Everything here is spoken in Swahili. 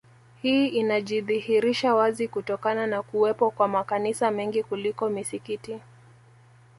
Hii inajidhihirisha wazi kutokana na kuwepo kwa makanisa mengi kuliko misikiti